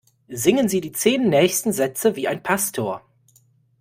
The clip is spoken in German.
Singen Sie die zehn nächsten Sätze wie ein Pastor!